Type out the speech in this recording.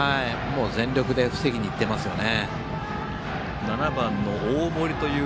全力で防ぎにいっていますよね。